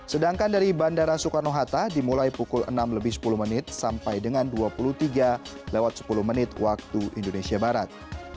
sedangkan dari bandara soekarno hatta dimulai pukul enam lebih sepuluh menit sampai dengan dua puluh tiga sepuluh menit waktu indonesia barat